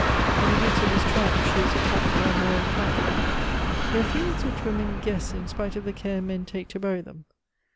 In the midst of this triumph she was attacked by a moral canker. There are feelings which women guess in spite of the care men take to bury them.